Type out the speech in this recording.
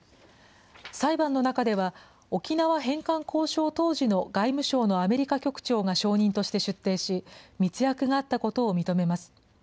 裁判の中では、沖縄返還交渉当時の外務省のアメリカ局長が証人として出廷し、密約があったことを認めます。